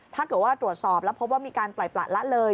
ถ้าเกิดว่าตรวจสอบแล้วพบว่ามีการปล่อยประละเลย